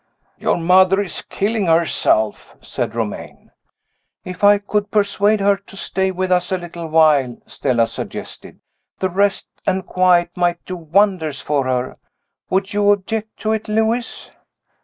"Your mother is killing herself," said Romayne. "If I could persuade her to stay with us a little while," Stella suggested, "the rest and quiet might do wonders for her. Would you object to it, Lewis?"